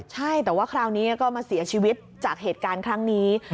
ใช่แต่ว่าคราวนี้ก็มาเสียชีวิตจากเหตุการณ์ครั้งนี้